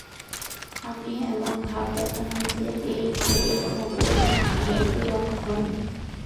আমি এমন ভাব দেখলাম যে, এই খবরে মোটেও অবাক হই নি।